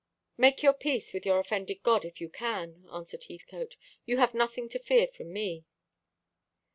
"Make your peace with your offended God, if you can," answered Heathcote. "You have nothing to fear from me."